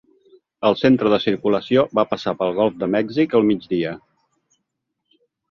El centre de circulació va passar pel Golf de Mèxic al migdia.